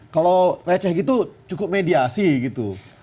kalau receh gitu cukup mediasi gitu